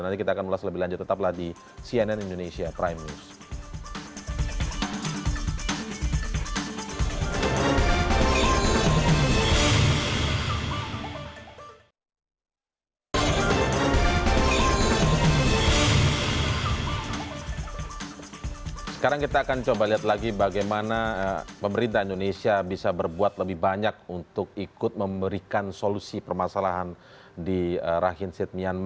nanti kita akan ulas lebih lanjut tetap lagi cnn indonesia prime news